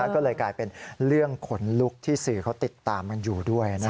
ก็เลยกลายเป็นเรื่องขนลุกที่สื่อเขาติดตามกันอยู่ด้วย